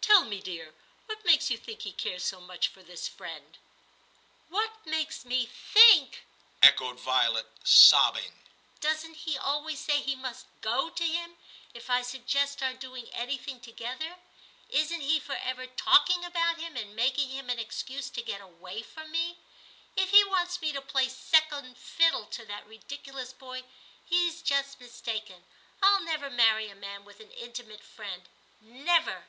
Tell me, dear, what makes you think he cares so much for this friend ?' 'What makes me think!' echoed Violet, XI TIM 267 sobbing. ' Doesn't he always say he must go to him, if I suggest our doing anything together ? Isn't he for ever talking about him, and making him an excuse to get away from me ? If he wants me to play second fiddle to that ridiculous boy, he's just mis taken ; I'll never marry a man with an intimate friend. Never.'